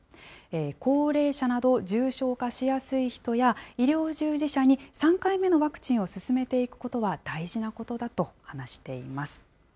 高齢者など重症化しやすい人や、医療従事者に３回目のワクチンを進めていくことは大事なことだと話しています。